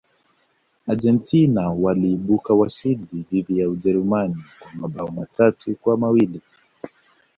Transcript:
argentina waliibuka washindi dhidi ya ujerumani kwa mabao matatu kwa mawili